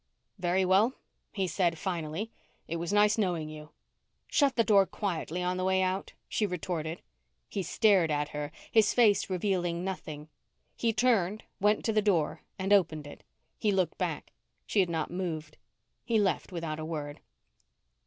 "Very well," he said, finally, "It was nice knowing you." "Shut the door quietly on the way out," she retorted. He stared at her, his face revealing nothing. He turned, went to the door, and opened it. He looked back. She had not moved. He left without a word.